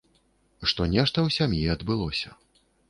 Што нешта ў сям'і адбылося.